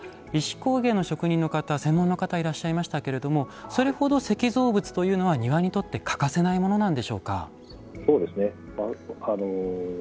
それから、石工芸の職人の方専門の方がいらっしゃいましたけどそれほど石造物というのは庭には欠かせないものなんでしょうか。